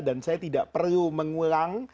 dan saya tidak perlu mengulang